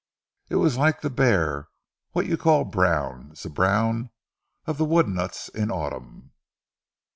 "It was like ze bear what you call brown, ze brown of ze wood nuts in autumn!"